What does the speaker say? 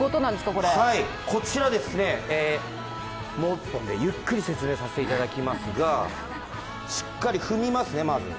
こちら、もっとゆっくり説明させていただきますがしっかり踏みますね、まず。